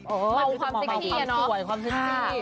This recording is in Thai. มันคือความเซ็กซี่เนี่ยเนอะ